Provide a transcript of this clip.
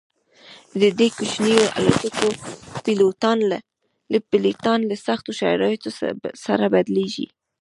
د دې کوچنیو الوتکو پیلوټان له سختو شرایطو سره بلدیږي